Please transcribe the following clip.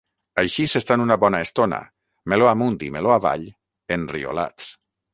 Així s'estan una bona estona, meló amunt i meló avall, enriolats.